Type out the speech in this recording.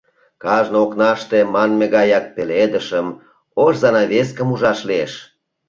Кажне окнаште манме гаяк пеледышым, ош занавескым ужаш лиеш.